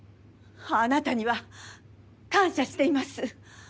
あなたには感謝しています。